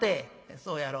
「そうやろ。